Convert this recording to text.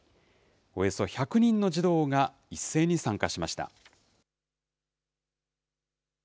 およそ１００人の児童が一斉に参加しました。